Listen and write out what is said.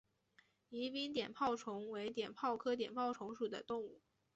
宜宾碘泡虫为碘泡科碘泡虫属的动物。